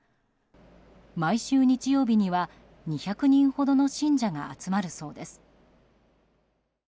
毎週日曜日には２００人ほどの信者が集まるそうです。